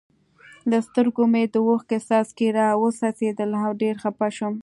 له سترګو مې د اوښکو څاڅکي را و څڅېدل او ډېر خپه شوم.